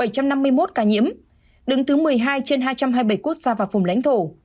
bảy trăm năm mươi một ca nhiễm đứng thứ một mươi hai trên hai trăm hai mươi bảy quốc gia và vùng lãnh thổ